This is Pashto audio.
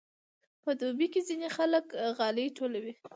په دوبي کې ځینې خلک غالۍ ټولوي.